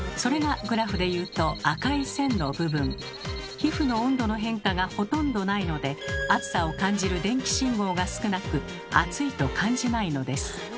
皮膚の温度の変化がほとんどないので熱さを感じる電気信号が少なく「熱い」と感じないのです。